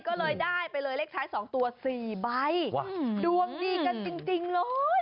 ก็เลยได้ไปเลยเลขท้าย๒ตัว๔ใบดวงดีกันจริงเลย